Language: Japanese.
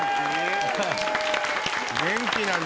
元気なの？